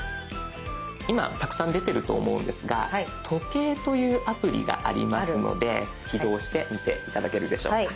今たくさん出てると思うんですが時計というアプリがありますので起動してみて頂けるでしょうか。